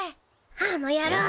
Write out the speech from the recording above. あの野郎！